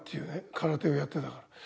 空手をやってたから。